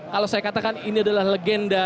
kalau saya katakan ini adalah legenda